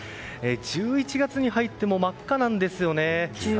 １０月に入っても真っ赤なんですよね。